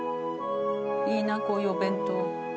いいなこういうお弁当。